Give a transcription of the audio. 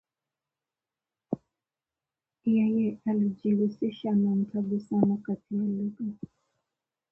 Yeye alijihusisha na mtagusano kati ya lugha